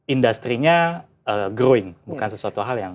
industri nya growing bukan sesuatu hal yang